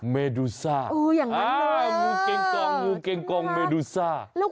เมดูซ่างูเกร็งกองเมดูซ่าอ่าอืออย่างนั้นนะ